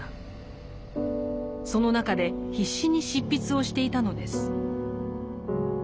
その中で必死に執筆をしていたのです。